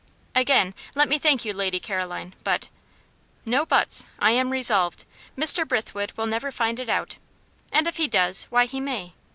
"Again let me thank you, Lady Caroline. But " "No 'buts.' I am resolved. Mr. Brithwood will never find it out. And if he does why, he may.